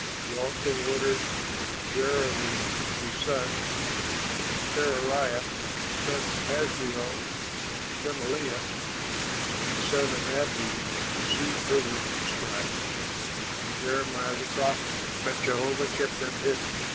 He also ordered Jerahmeel, his son, and Seraiah, the son of Azriel, and Shelemiah, the son of Abdeel, to seize Baruch, the scribe, and Jeremiah, the prophet, but Jehovah kept them hidden.